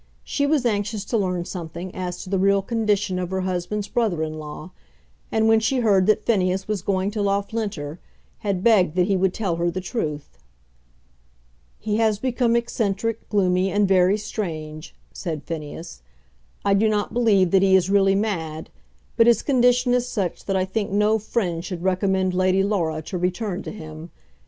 She was anxious to learn something as to the real condition of her husband's brother in law, and, when she heard that Phineas was going to Loughlinter, had begged that he would tell her the truth. "He has become eccentric, gloomy, and very strange," said Phineas. "I do not believe that he is really mad, but his condition is such that I think no friend should recommend Lady Laura to return to him.